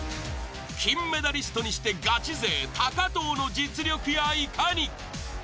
金メダリストにしてガチ勢藤の実力やいかに？